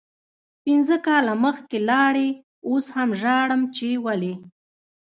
پنځه کاله مخکې لاړی اوس هم ژاړم چی ولې